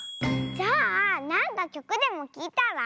じゃあなんかきょくでもきいたら？